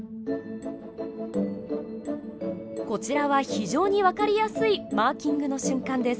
こちらは非常に分かりやすいマーキングの瞬間です。